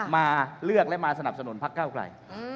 มาเลือกและมาสนับสนุนพักเก้าไกล